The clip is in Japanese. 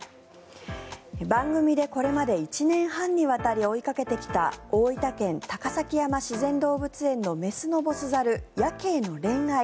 番組でこれまで１年半にわたり追いかけてきた大分県・高崎山自然動物園の雌のボス猿、ヤケイの恋愛。